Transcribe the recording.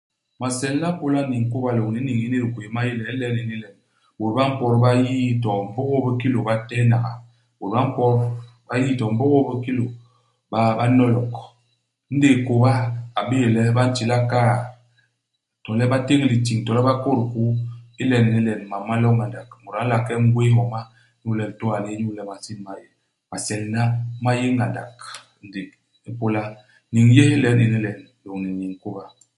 Maselna ipôla niñ i kôba lôñni iniñ ini di gwéé ma yé le ilen ini len; bôt ba mpot ba yi'i to mbôgôl i bikilô. Ba téhnaga. Bôt a mpot ba yii to mbôgôl i bikilô. Ba ba n'nolok. Indéé kôba a bé'é le ba ntila kaat, to le ba téñ litiñ, to le ba kôt hikuu. Ilen ini len, mam ma nlo ngandak. Mut a nla ke ngwéé homa inyu le litôa li yé, inyu le masin ma yé. Maselna ma yé ngandak, ndék ipôla niñ yés ilen ini len lôñni niñ i kôba.